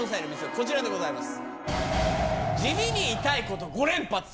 こちらでございます。